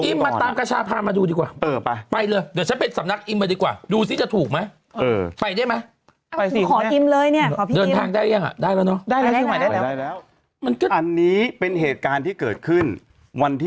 อิ่มมาตามกระชาภาพมาดูดีกว่า